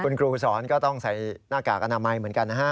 คุณครูสอนก็ต้องใส่หน้ากากอนามัยเหมือนกันนะฮะ